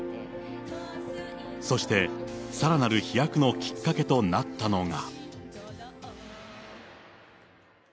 そして、さらなる飛躍のきっかけとなったのが。